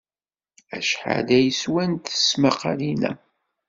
Acḥal ay swant tesmaqqalin-a?